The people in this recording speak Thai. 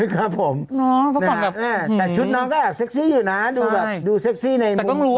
ครับผมน้องแต่ชุดน้องก็แอบเซ็กซี่อยู่นะดูแบบดูเซ็กซี่ในมุมต้องรู้